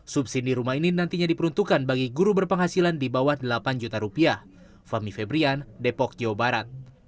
subsidi rumah ini nantinya diperuntukkan bagi guru berpenghasilan di bawah delapan juta rupiah